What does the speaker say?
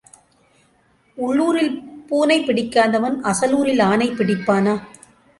உள்ளூரில் பூனை பிடிக்காதவன் அசலூரில் ஆனை பிடிப்பானா?